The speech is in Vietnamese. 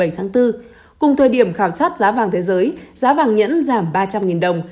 một mươi bảy tháng bốn cùng thời điểm khảo sát giá vàng thế giới giá vàng nhẫn giảm ba trăm linh đồng